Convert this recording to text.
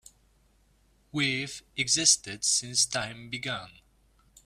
We've existed since time began.